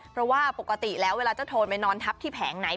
เพราะว่าปกติแล้วเวลาเจ้าโทนไปนอนทับที่แผงไหน